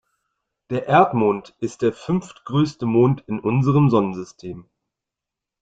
Der Erdmond ist der fünftgrößte Mond in unserem Sonnensystem.